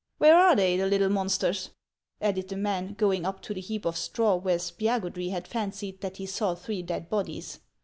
Where are they, the little monsters ?" added the man, going up to the heap of straw where Spiagudry had fancied that he saw three dead bodies.